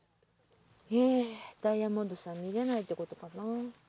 ダイヤモンドさん見れないってことかな。